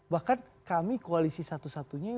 bahkan kami koalisi satu satunya